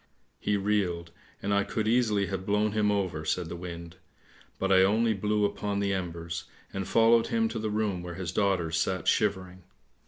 ' He reeled, and I could easily have blown him over," said the wind, " but I only blew upon the embers, and followed him to the room where his daughters sat shivering.